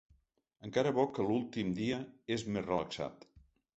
Encara bo que l'últim dia és més relaxat.